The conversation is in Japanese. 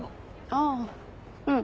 ああうん。